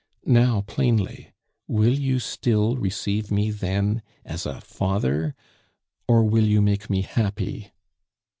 Now, plainly, will you still receive me then as a father, or will you make me happy?